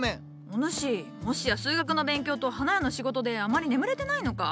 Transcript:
お主もしや数学の勉強と花屋の仕事であまり眠れてないのか？